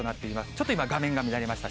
ちょっと今、画面が乱れました。